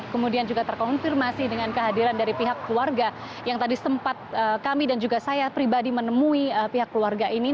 kemudian juga terkonfirmasi dengan kehadiran dari pihak keluarga yang tadi sempat kami dan juga saya pribadi menemui pihak keluarga ini